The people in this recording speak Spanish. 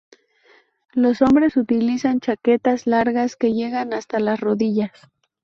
Los hombres utilizan chaquetas largas que llegan hasta las rodillas.